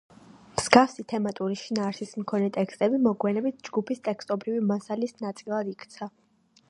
მსგავსი თემატური შინაარსის მქონე ტექსტები მოგვიანებით ჯგუფის ტექსტობრივი მასალის ნაწილად იქცა.